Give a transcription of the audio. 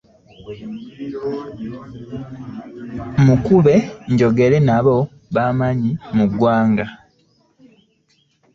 Omu ku be njogera nabo wa maanyi mu ggwanga.